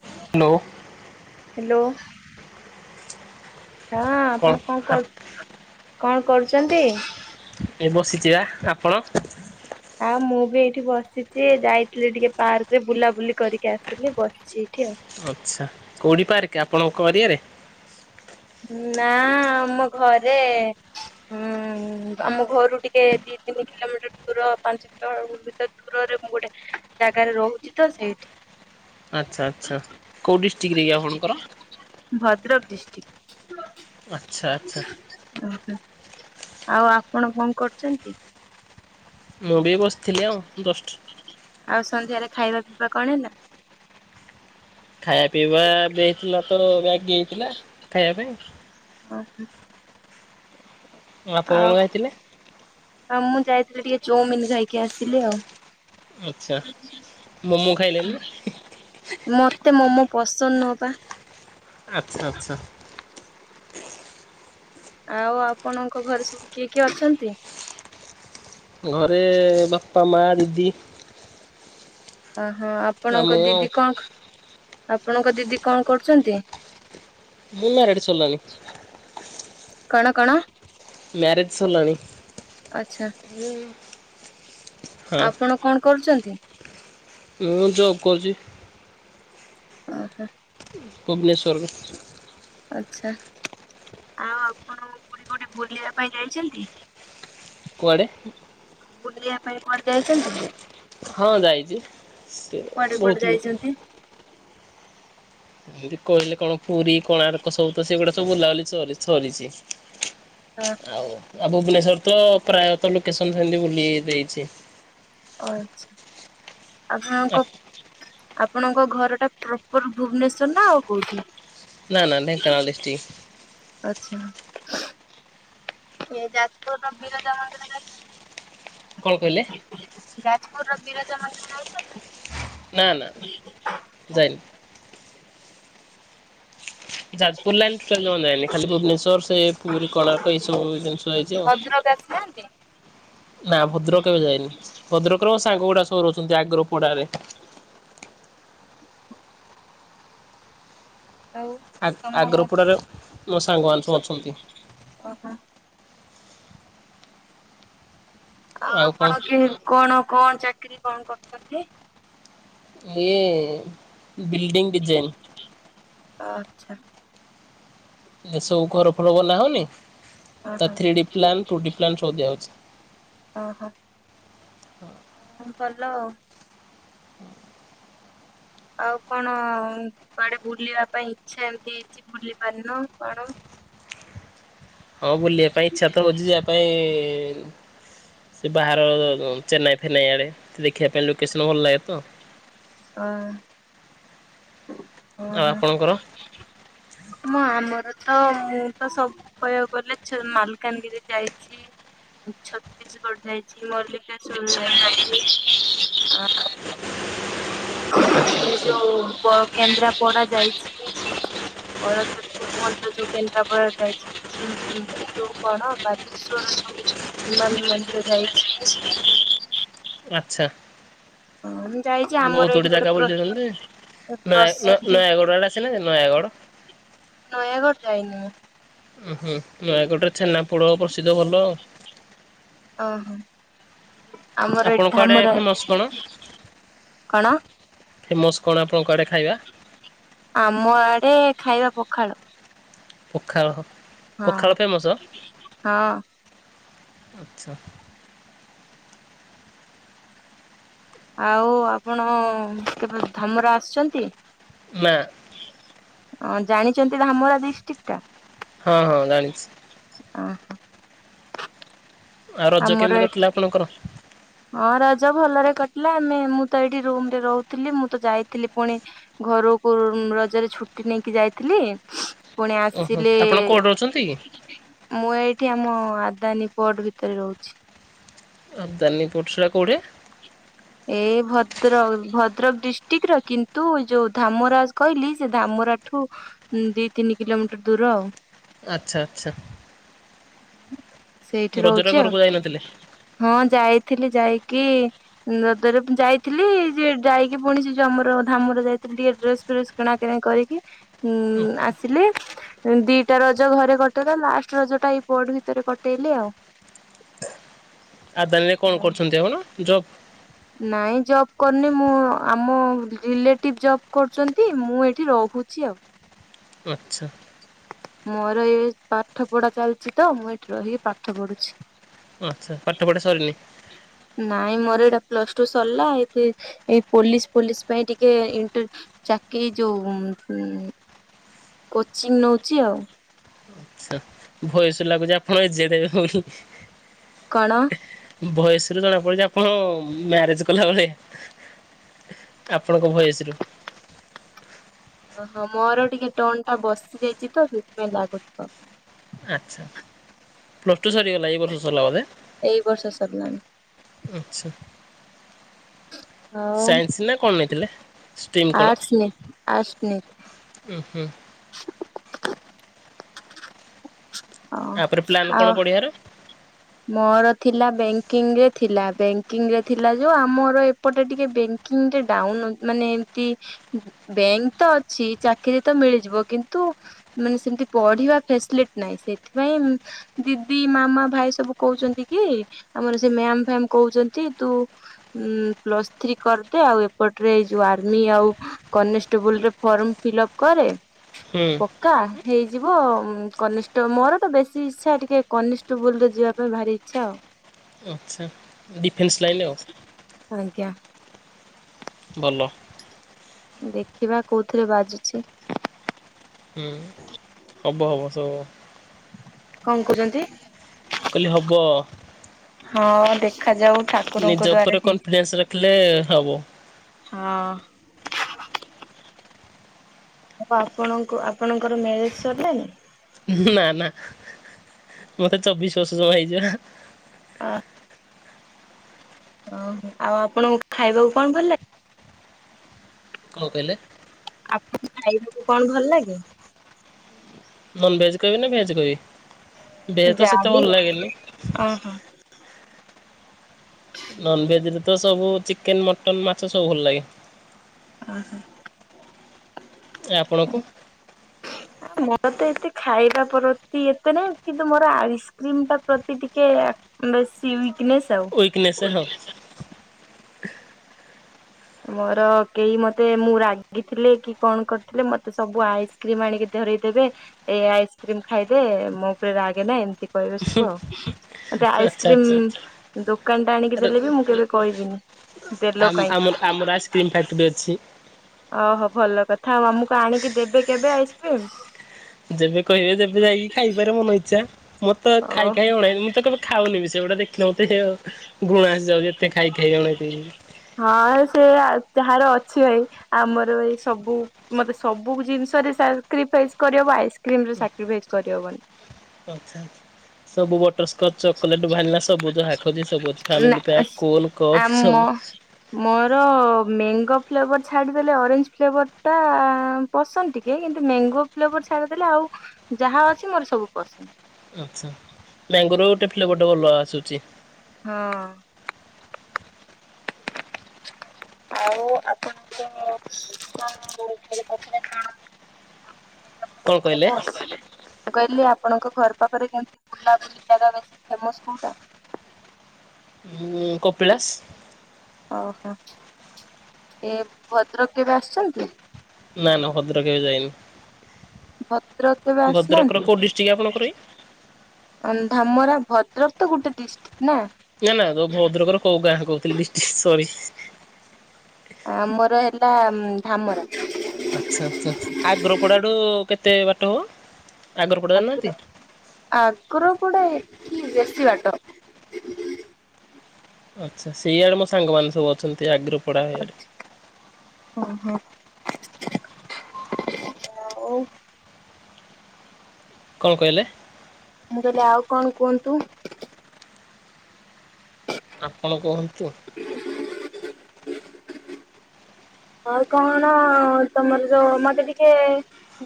Hello hello ହଁ ଆପଣ କଣ କର କଣ କରୁଛନ୍ତି। ଏ ବସିଛିିବା ଆପଣ। ଆ ମୁଁ ବି ଏଇଠି ବସିଛି ଯାଇଥିଲି ଟିକେ ପାର୍କ ରେ ବୁଲାବୁଲି କରିକି ଆସିଲି ବ ଛି ଏଇଠିି ଆଉ। ଆଚ୍ଛା କୋଉଠି ପାର୍କ ଆପଣଙ୍କ ଅରିଆରେ। ନା ଆମ ଘରେ। ହୁଁ ଆମ ଘରୁ ଟିକେ ଦି ତିନି କିଲୋମିଟର ଦୂର ପାଞ୍ଚ କିଲୋ ଭିତ ଦୂରରେ ମୁଁ ଗୋଟେ ଜାଗାରେ ରହୁଛି ତ ସେଇଠି। ଆଚ୍ଛା ଆଚ୍ଛା କୋଉ ଡିଷ୍ଟ୍ରିକ୍ଟରେ କି ଆପଣଙ୍କର। ଭଦ୍ରକ ଡିିଷ୍ଟ୍ରିକ୍। ଆଚ୍ଛା ଆଚ୍ଛା। ଓହୋ ଆଉ ଆପଣ କଣ କରୁଛନ୍ତି? ମୁଁ ବି ଏଇ ବସିଥିଲି ଆଉ ଦଶଟ ଆଉ ସନ୍ଧ୍ୟାରେ ଖାଇବା ପିଇବା କଣ ହେଲା ଖାଇବା ପିଇବା ଭେଜ ଥିଲା ତ ମ୍ୟାଗି ହେଇଥିଲା ଖାଇବା ପାଇଁ ହ ହ ଆଉ ଆପଣ କଣ ଖାଇଥିଲେ ଆଉ ମୁଁ ଯାଇଥିଲି ଟିକେ ଚଉମିିନ ଖାଇକି ଆସିଲି ଆଉ ଆଚ୍ଛା ମୋମୋ ଖାଇଲେନି ମତେ ମୋମୋ ପସନ୍ଦ ନୁହଁ ପା ଆଚ୍ଛା ଆଚ୍ଛା ଆଉ ଆପଣଙ୍କ ଘରେ ସବୁ କିଏ କିଏ ଅଛନ୍ତି? ଘରେ ବାପା ମା ଦିଦି ଓହୋ! ଆଉ ଆପଣଙ୍କ ମୁଁ ଆଉ ଦିଦି କଣଖ୍, ଆପଣଙ୍କ ଦିଦି କଣ କରୁଚନ୍ତି? ମୁନାର୍ ଏଡି ଚଲ୍ଲାନି। କଣ, କଣ? ମ୍ୟାରେଜ୍ ସର୍ ଲାଣି। ଆଚ୍ଛା। ହୁଁ। ଆପଣ କଣ କରୁଚନ୍ତି? ମୁଁ ଜବ୍ କରୁଚି। ଓହୋ। ଭୁବନେଶ୍ୱର୍। ଆଚ୍ଛା। ଆଉ ଆପଣ କୋଡି କୋଉଠି ବୁଲିଆ ପାଇଁ ଯାଇଚନ୍ତି? କୁଆଡେ? ବୁଲିବା ପାଇଁ କୁଆଡେ ଯାଇଚନ୍ତି? ହଁ, ଯାଇଚି। ସେ କୁଆଡେ କୁଆଡେ ବହୁତ୍ ଲୋକ୍ ଯାଇଛନ୍ତି? ଏମିତି କହିଲେ କଣ ପୁରୀ, କୋଣାର୍କ ସବୁ ତ ସେଗୁଡା ସବୁ ବୁଲାବୁଲି ସରି-ସରିଚି। ଅ ଆଉ, ଆଉ ଭୁବନେଶ୍ୱର ତ ପ୍ରାୟତ ଲୋକେସନ୍ ସେନ୍ ତି ବୁଲି ଦେଇଛି। ଓ ଆଛା, ଆପଣଙ୍କ ଆପଣଙ୍କ ଘର ଟା ପ୍ରପର୍ ଭୁବନେଶ୍ୱର ନା ଆଉ କୋଉଠି? ନାଁ, ନା ଢେଙ୍କାନାଳ ଡିଷ୍ଟି ଆଚ୍ଛା। ଇଏ ଯାଜପୁରର ବିରଜା ମନ୍ଦିର ଯାଇଛ? କଣ କହିଲେ? ଯାଜପୁରର ବିରଜା ମନ୍ଦିର ଯାଇଛ? [inaudible] ନା, ନା, ନା ଯାଇନି। ଯାଜପୁର ଲାଇନ୍ ଟୁଟାଲ୍ ଯମା ଯାଇନି। ଖାଲି ଭୁବନେଶ୍ୱର, ସେ ପୁରୀ, କୋଣାର୍କ ଏଇ ସବୁ ଜିନିଷ ଯାଇଛି ଆଉ। ପଟେ ଆସିନାହାଁନ୍ତି? ନା ଭଦ୍ରକ କେବେ ଯାଇନି? ଭଦ୍ରକର ସାଙ୍ଗ ଗୁଡା ସବୁ ରହୁଛନ୍ତି ଆଗ୍ର ପଡାରେ। [unintelligible] ଆଉ। ତମ ଆ-ଆଗ୍ରପଡ଼ାର ମୋ ସାଙ୍ଗମାନେ ସବୁ ଅଛନ୍ତି। [unintelligible] ଆ ଆଉ କଣ ପଣ କିଣି କଣ କଣ ଚାକିରି କଣ କରଚନ୍ତି? ଇଏ ବିଲ୍ଡିଂ ଡିଜାଇନ୍। ଆଚ୍ଛା। ଏ ସବୁ ଘର ଫର ବନା ହଉନି, ତା ଓହୋ three D plan two D plan ସବୁ ଦିଆହଉଛି। ଓହୋ, [inaudible] ଭଲ ଆଉ। ଆଉ କଣ କୁଆଡେ ବୁଲିବା ପାଇଁ ଇଛା ଏମତି ହେଇଛି, ବୁଲି ପାରିନୁ କଣ? ହଁ, ବୁଲିବା ପାଇଁ ଇଚ୍ଛା ତ ହଉଛି, ଯିଆ ପାଇଁ-ଇଁନ୍ ସେ ବାହାର-ଅ ଚେନ୍ନାଇ ଫେନ୍ନାଇ ଆଡ଼େ, ତ ଦେଖିବା ପାଇଁ ଲୋକେସନ୍ ଭଲ ଲାଗେ ତ! ଅଁ ଆଉ ଓହଁ। ଆପଣଙ୍କର ମୁଁ ଆମର ତ, ମୁଁ ତ ସବୁ କହିଆକୁ ଗଲେ ଛ ମାଲକାନଗିରି ଯାଇଛି। ଛତିଶଗଡ଼ ଯାଇଛି, ମଲ୍ଲିକେଶ୍ୱର ଯାଇଛି। ଆଉ ଆଚ୍ଛା ଆଚ୍ଛା ଯୋଉ ପ କେନ୍ଦ୍ରାପଡା ଯାଇଚି। ବରଦପୁର ମନ୍ଦିର ଯୋଉ କେନ୍ଦ୍ରାପଡ଼ାରେ ଯାଇଛି। ଏ ଯୋ ଯୋଉ କଣ ବାଲେଶ୍ଵର ଯୋଉ। ହିମାନ ମନ୍ଦିର ଯାଇଛି। ଆଛା ହଁ ଯାଇଛି ଆମର ବହୁତ୍ ଏଇଠି ଗୁଡେ ଗୋଟେ ଜାଗା ପ୍ର ବୁଲି ଯାଇଚନ୍ତି। ନୟ ପ୍ରସିଦ୍ଧ ନ ନୟାଗଡ଼ ଆଡେ ଆସିନେ ନୟାଗଡ଼। ନୟାଗଡ଼ ଯାଇନି ମୁଁ। ଉ ହୁଁ ନୟାଗଡ଼ରେ ଛେନାପୋଡ ପ୍ରସିଦ୍ଧ ଭଲ। ଓହୋ ଆମର ଏଇଠି ଆପଣଙ୍କ ଆଡ଼େ ଧାମରେ ଫେମସ କଣ ଆପଣଙ୍କ ଆଡେ ଖାଇବା? ଆମ ଆଡେ ଖାଇବା ପଖାଳ। ପଖାଳ ହଁ ପଖାଳ ଫେମସ ହଁ। ଆଛା। ଆଉ ଆପଣ କେବେ ଧାମରା ଆସିଛନ୍ତି? ନା। ହଁ ଜାଣିଚନ୍ତି ଧାମରା ଡିଷ୍ଟ୍ରିକ୍ଟ ଟା? ହଁ ହଁ ଜାଣିଛି। ଓହୋ। ଆଉ ରଜ କେମିତି ଆମର କଟିଲା ଏଠି ଆପଣଙ୍କର? ହଁ ରଜ ଭଲରେ କଟିଲା ଆମେ ମୁଁ ତ ଏଇଠି ରୁମରେ ରହୁଥିଲି ମୁଁ ତ ଯାଇଥିଲି ପୁଣି ଘରକୁ ରଜରେ ଛୁଟି ନେଇକି ଯାଇଥିଲି। ପୁଣି ଓହୋ ଆସିଲେ। ଆପଣ କୋଉଠି ରହୁଛନ୍ତି କି? ମୁଁ ଏଇଠି ଆମ ଆଦାନୀ ପଟ ଭିତରେ ରହୁଛି। ଆବଦାନୀ ପୋସ୍ କୁଆଡେ? ଏ ଭଦ୍ରକ ଭଦ୍ରକ ଡିଷ୍ଟ୍ରିକିଟ୍ ର କିନ୍ତୁ ଯୋଉ ଧାମରାଜ କହିଲି ସେ ଧାମରା ଠୁ ଦି ତିନି କିଲୋମିଟର ଦୂର। ଆଚ୍ଛା ଆଚ୍ଛା। ସେଇଠି ରଜରେ ରହୁଛି ଆଉ ଘରକୁ ଯାଇନଥିଲେ? ହଁ ଯାଇଥିଲି ଯାଇକି। ନଦରେ ଯାଇଥିଲି ସେ ଯାଇକି ପୁଣି ସେ ଯମର ଧାମରେ ଯାଇଥିଲି ଟିକେ ଡ୍ରେସ ଫ୍ରେସ୍। କିଣାକିଣା କରିକି ଉ ଆସିଲି। ଦିଟା ରଜ ଘରେ କଟିଲା ଲାଷ୍ଟ ରଜ ଟା ଏଇ ପଟ୍ ଭିତରେ କଟେଇଲି ଆଉ। ଆଦାନୀରେ କଣ ହୁଁ। କରୁଛନ୍ତି ଆପଣ ଜବ୍। ନାଇଁ ଜବ୍ କରୁନି ମୁଁ ଆମ ରିଲେଟିଭ ଜବ୍ କରୁଛନ୍ତି ମୁଁ ଏଇଠି ରହୁଛି ଆଉ। ଆଛା। ମୋର ଏ ପାଠ ପଢା ଚାଲିଛି ତ ମୁଁ ଏଠି ରହିକି ପାଠ ପଢୁଛି। ଆଚ୍ଛା ପାଠ ପଡା ସରିିନି? ନାଇଁ ମୋର ଏଇଟା ପ୍ଲସ ଟୁ ସରିଲା ଏଠି ଏ ପୋଲିସ ପୋଲିସ ପାଇଁ ଟିକେ ଇଣ୍ଟର ଚାକିରୀ ଯୋଉ କୋଚିଂ ନଉଚି ଆଉ। ଆଛା। ଭଏସ ଲାଗୁଛି ଆପଣ ଏଜେଡେ ବୋଲି। କଣ? ଭଏସେରୁ ଜଣା ପଡୁଛି ଆପଣ ମ୍ୟାରେଜ କଲାବଳିଆ। ଆପଣଙ୍କ ଭଏସରୁୁ। ଓହୋ ମୋର ଟିକେ ଟନ ଟା ବସି ଯାଇଛି ତ ସେଥିପାଇଁ ଲାଗୁଥିବ। ଆଚ୍ଛା ପ୍ଲସ୍ ଟୁ ସରିଗଲା ଏ ବର୍ଷ ସଲା ବଧେ। ଏଇ ବର୍ଷ ସରିଲାଣି। ଆଚ୍ଛା। ଆଉ ସାଇନ୍ସ ନା କଣ ନେଇଥିଲେ? ଷ୍ଟ୍ରିମ୍ କଣ? ଆର୍ଟସ ନେ ଆର୍ଟସ ନେ ହୁଁ ହୁଁ ହଁ ତାପରେ ପ୍ଲାନ ଆଉ କଣ ପଢ଼ିଆର? ମୋର ଥିଲା ବ୍ୟାଙ୍କିଙ୍ଗ ରେ ଥିଲା ବ୍ୟାଙ୍କିଙ୍ଗ ରେ ଥିଲା ଯୋଉ ଆମର ଏପଟେ ଟିକେ ବେ ଙ୍କିଙ୍ଗ ଡାଉନ୍ ମାନେ ଏମତି ବ୍ୟାଙ୍କ ତ ଅଛି ଚାକିରି ତ ମିଳିଯିବ କିନ୍ତୁ ମାନେ ସେମିତି ପଢିବା ଫ୍ୟାସିଲିଟି ନାହିଁ ସେଥିପାଇଁ ଉମ ଦିଦି ମାମା ଭାଇ ସବୁ କହୁଚନ୍ତି କି ଆମର ସେ ମ୍ୟାମ ଫ୍ୟମ କହୁଚନ୍ତି ତୁ ଉଁ ପ୍ଲସ୍ ଥ୍ରୀ କରିଦେ ଆଉ ଏପଟରେ ଏଇ ଯୋଉ ଆର୍ମି ଆଉ କନେଷ୍ଟେବୁଲ ରେ ଫର୍ମ ଫିଲ୍ ଅପ କରେ ହୁଁ। କା ହେଇଯିବ କନିଷ୍ଟ ମୋର ତ ବେଶୀ ଇଚ୍ଛା ଟିକେ କନିଷ୍ଟବୁଲରେ ଯିବା ମ ଭାରି ଇଛା ଆଉ। ଆଚ୍ଛା ଡିଫେନ୍ସ ଲାଇନ ଆଉ। ଆଜ୍ଞା। ଭଲ। ଦେଖିବା କୋଉଥିରେ ବାଜୁଚି। ହୁଁ ହବ ହବ ସବୁ କଣ କହୁଜନ୍ତି? କହିଲି ହବ। ହଁ ଦେଖାଯାଉ। ଠାକୁରଙ୍କ ନିଜ ଦ୍ଵାରା ଉପରେ ହେଇ କନଫିଡେନ୍ସ ରଖିଲେ ହବ। ହଁ। ଆଉ ଆପଣଙ୍କୁ ଆପଣଙ୍କର ମ୍ୟାରେଜ ସରିଲାଣିି? ନା ନା ମତେ ଚବିଶ ବର୍ଷ ଜମା ହେଇଯିବା। ଅ ଓ ଆଉ ଆପଣଙ୍କୁ ଖାଇବାକୁ କଣ ଭଲେ? କଣ କହିଲେ? ଆପଣ ଖାଇବାକୁ କଣ ଭଲ ଲାଗେ? ନନଭେଜ କହିବି ନା ଭେଜ କହିବି? ଭେଜ ତ ଯା ସେତେ ବି ଭଲ ଲାଗେନି ଓହୋ। ନନଭେଜ ରେ ତ ସବୁ ଚିକେନ, ମଟନ, ମାଛ ସବୁ ଭଲ ଲାଗେ। ଅ ହ। ଆପଣଙ୍କୁ? ମୋର ତ ଏତେ ଖାଇବା ପ୍ରତି ଏତେ ନାଇ କିନ୍ତୁ ମୋର ଆଇସ୍କ୍ରିମ ଟା ପ୍ରତି ଟିକେ ବେଶୀ ୱିକନେସ୍ ଆଉ। ୱିକନେସ୍ ହଁ ମୋର କେହି ମତେ ମୁଁ ରାଗିଥିଲେ କି କଣ କରିଥିଲେ ମତେ ସବୁ ଆଇସ କ୍ରିମ ଆଣିକି ଧରେଇଦେବେ ଏ ଆଇସ୍କ୍ରିମ ଖାଇଦେ ମୋ ଉପରେ ରାଗେନା ଏମତି କହିବେ ସବୁ ଆଉ ମତେ ଆଚ୍ଛା ଆଚ୍ଛା। ଆଇସ୍କ୍ରିମ ଦୋକାନ ଟା ଆଣିକି ଆରେ ଦେଲେ ବି ମୁଁ କେବେ କହିବିନି ଦେଲ ଆମ କାଇଁ। ଆମର ଆମର ଆଇସ୍କ୍ରିମ୍ ଫ୍ୟାକ୍ଟ୍ରି ଅଛି। ଓହୋ ଭଲ କଥା ଆଉ ଆମକୁ ଆଣିକି ଦେବେ କେବେ ଆଇସ୍କ୍ରିମ୍? ଯେବେ କହିବେ ଯେବେ ଯାଇକି ଖାଇବାରେ ମନ ଇଚ୍ଛା ମୋତେ ତ ଓ ଖାଇ ଖାଇ ଅଣେଇ ମୁଁ ତ କେବେ ଖାଉନି ବି ସେଗୁଟା ଦେଖିଲା ମତେ ଘୃଣା ଆସିଯାଉଛି ଏତେ ଖାଇ ଖାଇ ଅଣେଇତି ହଁ ସେ ଯାହାର ଅଛି ଭାଇ ଆମର ଏଇ ସବୁ ମତେ ସବୁ ଜିନିଷ ରେ ସାକ୍ରିଫାଇସ କରିହବ ଆଇସ୍କ୍ରିମ ରେ ସାକ୍ରିଫାଇସ କରିହବନି। ଆଛା ଆଛା ସବୁ ବ [unintelligible] ଚଲେଟ ବାହାରିଲା ସବୁୁ ଯାହା କହୁଚି ସବୁ ଅଛି ନା ଫ୍ୟାମିଲୀ ପ୍ୟାକ କୋଲ କପ୍ ସବୁ। ଆମ ମୋର ମେଙ୍ଗୋ ଫ୍ଲେଭର ଛାଡିଦେଲେ ଅରେଞ୍ଜ ଫ୍ଲେଭର ଟା ପସନ୍ଦ ଟିକେ କିନ୍ତୁ ମେଙ୍ଗୋ ଫ୍ଲେଭର ଛାଡିଦେଲେ ଆଉ ଯାହା ଅଛି ମୋର ସବୁ ପସନ୍ଦ। ଆଛା ମେଙ୍ଗୋର ଗୋଟେ ଫ୍ଲେଭର ଗୋଟେ ଭଲ ଆସୁଛି। ହଁ ଆଉ ଆପଣଙ୍କ କଣ ଘରେ କରୁଥିଲେ କଣ? [inaudible] କଣ କହିଲେ? [unintelligible] ମୁଁ କହିଲି ଆପଣଙ୍କ ଘରପାଖରେ ଏମିତି ବୁଲାବୁଲି ଜାଗା ବେଶି ଫେମସ କୋଉଟା? ଉଁ କପିଳାସ। ଓହୋ ଏ ଭଦ୍ରକ କେବେ ଆସିଛନ୍ତି? ନା ନା ଭଦ୍ରକ କେବେ ଯାଇନି। ଭଦ୍ରକ କେବେ ଭଦ୍ରକର କୋଉ ଡିଷ୍ଟ୍ରିକ୍ଟ ଆପଣଙ୍କର କି ଆସିନାହାନ୍ତି? ଢ଼ାମରା ଭଦ୍ରକ ତ ଗୋଟେ ଡିଷ୍ଟ୍ରିକ୍ଟ ନା? ନା ନା ଜୋଉ ଭଦ୍ରକର କୋଉ ଗାଁ କହୁଥିଲି ଡିଷ୍ଟ୍ରିକ୍ଟ ସରି। ଆମର ହେଲା ଢାମରା। ଆଛା ଆଛା ଆଗ୍ରପଡାଠୁ କେତେ ବାଟ ହେବ? ଆଗ୍ର ଆଗ୍ରପଡ଼ା ଏଠି ବେଶୀ ବାଟ। ଆଛା ସେଇଆଡେ ମୋ ସାଙ୍ଗମାନେ ସବୁ ଅଛନ୍ତି ଆଗ୍ର ଆଛା ଓହୋ। ଆଉ କଣ କହିଲେ? ମୁଁ କହିଲି ଆଉ କଣ କୁହନ୍ତୁ? ଆପଣ କୁହନ୍ତୁ। ଆଉ କଣ ତମର ଯୋଉ ମୋତେ ଟିକେ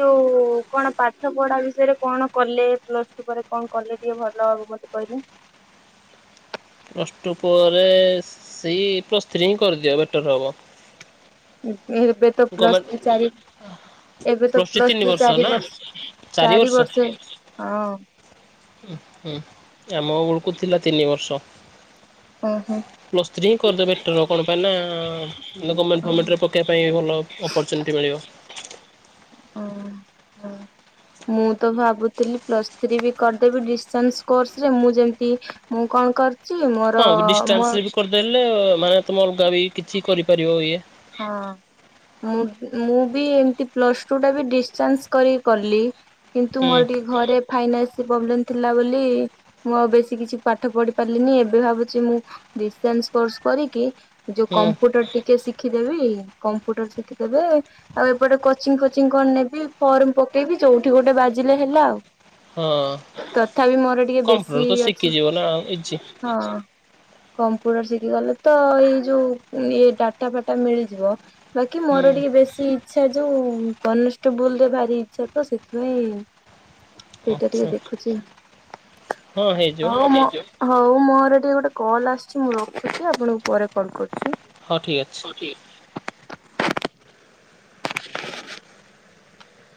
ଯୋଉ କଣ ପାଠପଢା ବିଷୟରେ କଣ କଲେ ପ୍ଲସଟୁ ପରେ କଣ କଲେ? ଟିକେ ଭଲ ହେବ ମୋତେ କହିଲେ। ପ୍ଲସଟୁ ପରେ ସେଇ ପ୍ଲସଥ୍ରୀ ହିଁ କରିଦିଅ ବେଟର୍ ହବ। ଏବେ ଏବେତ ଗମେଣ୍ଟ ପ୍ଲସଥ୍ରୀ ଚାରି ଏବେ ତ ପ୍ଲସ୍ ଥ୍ରୀ ତିନି ପ୍ଲସଥ୍ରୀ ବର୍ଷ ଚାରି ନା ବର୍ଷ ଚାରି ବର୍ଷ ହଁ। ହୁଁ ଆମ ବେଳକୁ ଥିଲା ତିନିବର୍ଷ। ଓହୋ। ପ୍ଲସଥ୍ରୀ ହିଁ କରିଲେ ବେଟର ହେବ। କଣ ପାଇଁ ନା ଗମେଣ୍ଟ ଫମେଣ୍ଟରେ ପକାଇବା ପାଇଁବି ଭଲ ଅପର୍ଚୁନିଟି ମିଳିବ। ଓହୋ ହଁ। ମୁଁ ତ ଭାବୁଥିଲି ପ୍ଲସଥ୍ରୀ ବି କରିଦେବି ଡିଶ୍ଟାନସ୍ କୋର୍ସରେ ମୁଁ ଯେମିତି ମୁଁ କଣ କରି ହଁ ଡିଷ୍ଟାନ୍ସରେ ବି କରିଦେଲେ ମାନେ ତମେ ଅଲଗା ବି କିଛି କରିପାରିବ ଇଏ। ହଁ ମୁଁ ମୁଁ ବି ଏମିତି ପ୍ଲସଟୁ ଟା ଭି ଡିଷ୍ଟାନ୍ସ କରି କଲି କିନ୍ତୁ ହୁଁ ମୋର ଟିକେ ଘରେ ଫାଇନାନ୍ସ ପ୍ରୋବ୍ଲେମ୍ ଥିଲା ବୋଲି ମୁଁ ଆଉ ବେଶୀ କିଛି ପାଠ ପଢି ପାରିଲିନି ଏବେ ଭାବୁଛି ମୁଁ ଡିସ୍ଟାନ୍ସ କୋର୍ସ କରିକି ଯୋଉ ହୁଁ କମ୍ପୁଟର ଟିକେ ଶିଖିଦେବି କମ୍ପୁଟର ଶିଖିଦେଲେ ଆଉ ଏପଟେ କୋଚିଙ୍ଗ ଫୋଚିଙ୍ଗ କଣ ନେବି ଫର୍ମ ପକେଇବି ଯୋଉଠି ଗୋଟେ ବାଜିଲେ ହେଲା ଆଉ। ହଁ ତଥାପି ମୋର ଟିକେ ବେଶୀ କମ୍ପ୍ୟୁଟର ତ ଅଛି ଶିଖିଯିବ ନା ଇଜି। ହଁ। କମ୍ପ୍ୟୁଟର ଶିଖିଗଲେ ତ ଏଇଯୋଉ ଇଏ ଡାଟା ଫାଟା ମିଳିଯିବ। ବାକି ହୁଁ ମୋର ଟିକେ ବେଶୀ ଇଚ୍ଛା ଯୋଉ କନେଷ୍ଟବୁଲରେ ଭାରି ଇଚ୍ଛା ତ ସେଥିପାଇଁ। ସେଇଟା ଟିକେ ଆଚ୍ଛା ଦେଖୁଛି ହଁ ହେଇଯିବ ହଁ ମ। ହଉ ମୋର ଟିକେ ଗୋଟେ କଲ ଆସୁଛି ମୁଁ ରଖୁଛି ଆପଣଙ୍କୁ ପରେ କଲ କରୁଛି। ହଁ ଠିକ ଅଛି। ହଉ ଠି [inaudible]